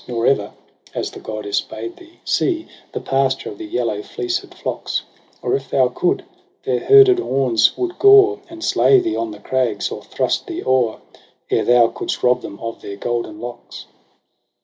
Nor ever, as the goddess bade thee,, see The pasture of the yellow fleeced flocks r Or if thou coud, their herded horns would gore And slay thee on the crags, or thrust thee o'er Ere thou coudst rob them of their golden locks.